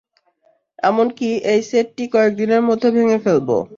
এমনকি, এই সেটটি কয়েক দিনের মধ্যে ভেঙ্গে ফেলব।